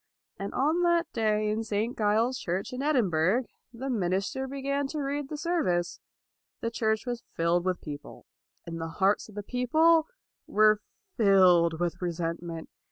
And on that day in St. Giles's Church in Edinburgh, the minister began to read the service. The church was filled with people, and the hearts of the people were filled with resentment.